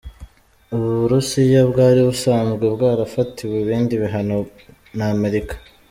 Uburusiya bwari busanzwe bwarafatiwe ibindi bihano na Amerika.